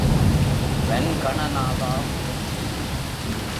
வன்கண நாதா போற்றி!